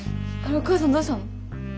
お母さんどうしたの？